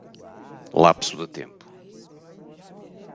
Lapso de tempo